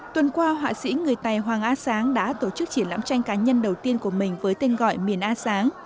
tuần qua họa sĩ người tài hoàng a sáng đã tổ chức triển lãm tranh cá nhân đầu tiên của mình với tên gọi miền a sáng